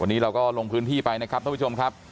วันนี้เราก็ลงพื้นที่ไปนะครับท่านผู้ชมครับ